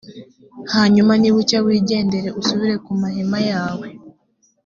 hanyuma nibucya, wigendere, usubire ku mahema yawe.